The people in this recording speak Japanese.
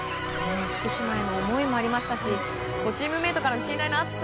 福島への思いもありましたしチームメートからの信頼の厚さ。